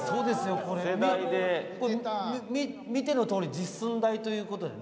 見てのとおり実寸大ということでね。